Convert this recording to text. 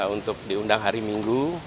untuk diundang hari minggu